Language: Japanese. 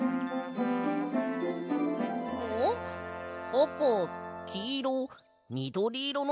あかきいろみどりいろのけ。